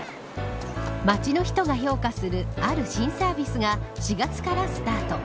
街の人が評価するある新サービスが４月からスタート。